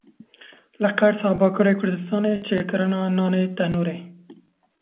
Li Qers a Bakurê Kurdistanê çêkirina nanê tenûrê.